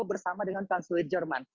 bersama dengan kansel jerman